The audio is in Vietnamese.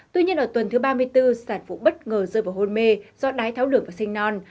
tuy nhiên ở tuần thứ ba mươi bốn sản phụ bất ngờ rơi vào hôn mê do đái tháo đường và sinh non